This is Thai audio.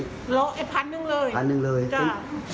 รถไอ้พันธุ์หนึ่งเลยจ้ะพันธุ์หนึ่งเลย